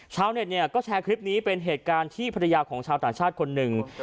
ชาวเน็ตเนี่ยก็แชร์คลิปนี้เป็นเหตุการณ์ที่ภรรยาของชาวต่างชาติคนหนึ่ง